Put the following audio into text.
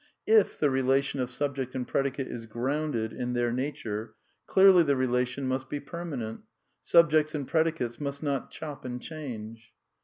// the relation of subject and predicate is grounded in their nature, clearly the relation must be permanent; subjects and predicates must not chop and change.